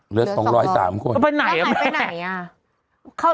เหลือ๒๐๓คนงันไปไหนอะแม่แล้วเผยไปไหนอะ